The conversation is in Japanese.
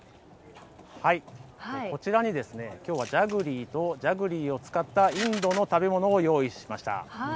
こちらにきょうはジャグリーとジャグリーを使ったインドの食べ物を用意しました。